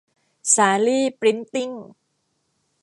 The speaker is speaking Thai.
สาลี่ พริ้นท์ติ้ง